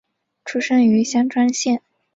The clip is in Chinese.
出身于香川县。